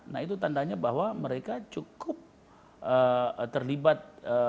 nah itu tandanya bahwa mereka cukup terlibat